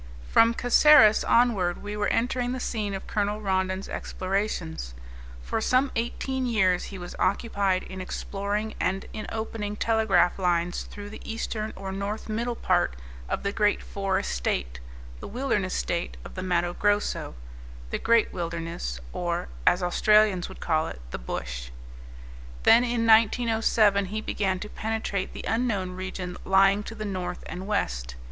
From Caceres onward we were entering the scene of Colonel Rondon's explorations. For some eighteen years he was occupied in exploring and in opening telegraph lines through the eastern or north middle part of the great forest state, the wilderness state of the "Matto Grosso" the "great wilderness," or, as Australians would call it, "the bush." Then, in 1907, he began to penetrate the unknown region lying to the north and west.